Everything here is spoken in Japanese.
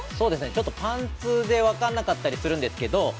◆ちょっとパンツで分からなかったりするんですけど